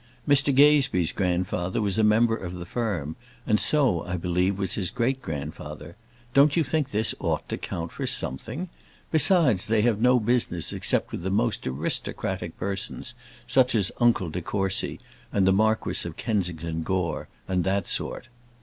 Mr Gazebee's grandfather was a member of the firm, and so, I believe, was his great grandfather. Don't you think this ought to count for something? Besides, they have no business except with the most aristocratic persons, such as uncle de Courcy, and the Marquis of Kensington Gore, and that sort.